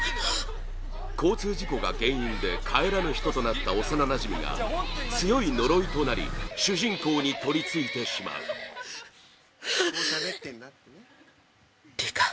交通事故が原因で帰らぬ人となった幼なじみが強い呪いとなり主人公にとりついてしまう憂太：里香。